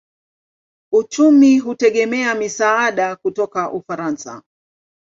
Uchumi hutegemea misaada kutoka Ufaransa.